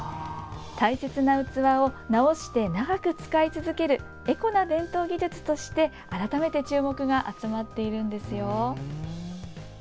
大切な器を直して長く使い続けるエコな伝統技術として改めて注目が集まっているんですよ。